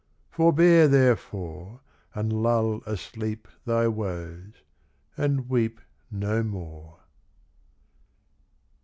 Forbear, therefore, And lull asleep Thy woes, and weep No more.